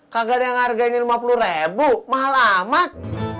kagak ada yang harganya lima puluh ribu mahal amat